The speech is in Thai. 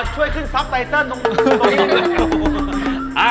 ช่วยขึ้นซับไตเซิน